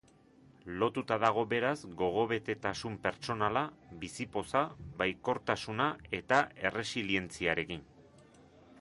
Lotuta dago beraz gogobetetasun pertsonala, bizipoza, baikortasuna eta erresilientziarekin.